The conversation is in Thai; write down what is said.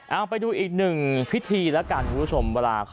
เอาไปดูอีกหนึ่งพิธีแล้วกันคุณผู้ชม